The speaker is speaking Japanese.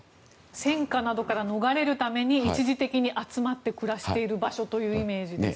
戦火などから逃れるために一時的に集まって暮らしている場所というイメージです。